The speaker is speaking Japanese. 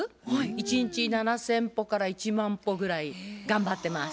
１日７，０００歩から１万歩ぐらい頑張ってます。